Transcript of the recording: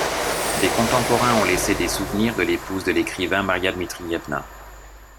Des contemporains ont laissé des souvenirs de l'épouse de l'écrivain, Maria Dmitrievna.